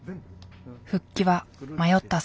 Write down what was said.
復帰は迷ったそう。